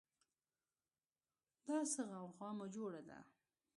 دا څه غوغا مو جوړه ده